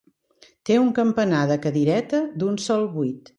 Té un campanar de cadireta d'un sol buit.